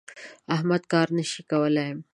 احمد کار نه شي کولای.